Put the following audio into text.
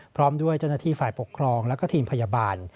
พร้อมด้วยเจ้าหน้าที่ฝ่ายปกครองแล้วก็ทีมพยาบาล